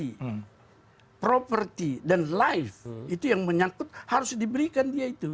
perampasan liberty property dan life itu yang menyatukan harus diberikan dia itu